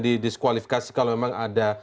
didiskualifikasi kalau memang ada